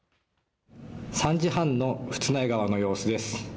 ３時半の富津内川の様子です。